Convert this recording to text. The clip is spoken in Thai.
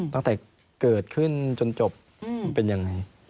ตั้งแต่เกิดขึ้นจนจบเป็นยังไง